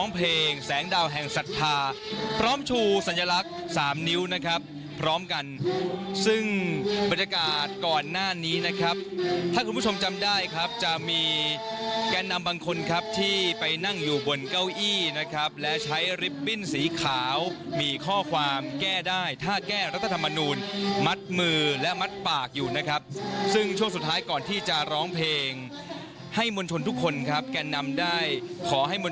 เพลงแสงดาวแห่งศรัทธาพร้อมชูสัญลักษณ์สามนิ้วนะครับพร้อมกันซึ่งบรรยากาศก่อนหน้านี้นะครับถ้าคุณผู้ชมจำได้ครับจะมีแกนนำบางคนครับที่ไปนั่งอยู่บนเก้าอี้นะครับและใช้ลิฟตบิ้นสีขาวมีข้อความแก้ได้ถ้าแก้รัฐธรรมนูลมัดมือและมัดปากอยู่นะครับซึ่งช่วงสุดท้ายก่อนที่จะร้องเพลงให้มวลชนทุกคนครับแก่นำได้ขอให้ม